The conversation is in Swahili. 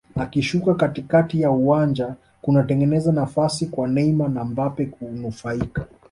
Akishuka katikati ya uwanja kunatengeza nafasi kwa Neymar na Mbappe kunufaika